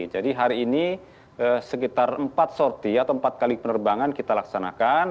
jadi hari ini sekitar empat sorti atau empat kali penerbangan kita laksanakan